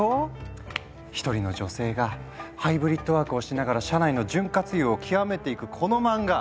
１人の女性がハイブリッドワークをしながら社内の潤滑油を極めていくこの漫画！